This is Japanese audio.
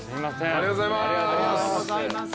ありがとうございます。